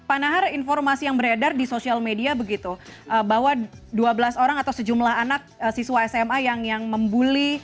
pak nahar informasi yang beredar di sosial media begitu bahwa dua belas orang atau sejumlah anak siswa sma yang membuli